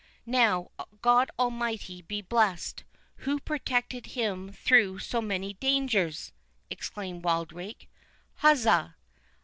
"Now, God Almighty be blessed, who protected him through so many dangers!" exclaimed Wildrake. "Huzza!